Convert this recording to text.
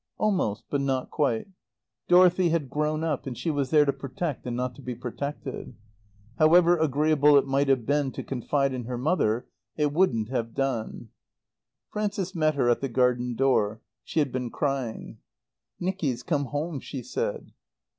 Almost, but not quite. Dorothy had grown up, and she was there to protect and not to be protected. However agreeable it might have been to confide in her mother, it wouldn't have done. Frances met her at the garden door. She had been crying. "Nicky's come home," she said.